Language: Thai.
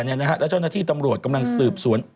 แล้วเจ้าหน้าที่ตำรวจกำลังสืบสวน